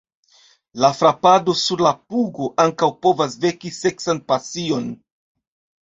La frapado sur la pugo ankaŭ povas veki seksan pasion.